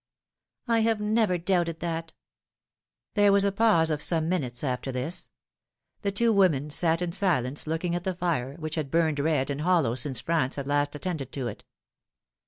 " I have never doubted that." There was a pause of some minutes after this. The f wo women sat in silence looking at the fire, which had burned red and hollow since Franz had last attended to it.